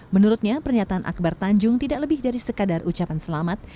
menurutnya pernyataan akbar tanjung tidak lebih dari sekadar ucapan selamat